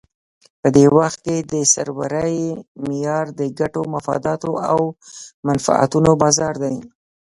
په دې وخت کې د سرورۍ معیار د ګټو، مفاداتو او منفعتونو بازار دی.